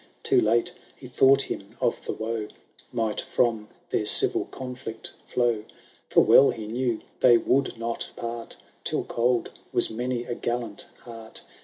Too late he thought him of the woe Might from their civil conflict flow ; For well he knew they would not part Till cold was many a gallant heart.